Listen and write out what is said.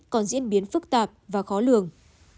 còn diễn biến phức tạp và khó lường